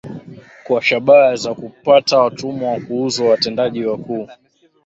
kwa shabaha za kupata watumwa wa kuuzwa Watendaji wakuu